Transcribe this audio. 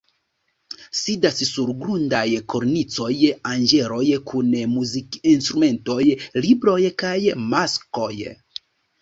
Sidas sur grandaj kornicoj anĝeloj kun muzikinstrumentoj, libroj kaj maskoj.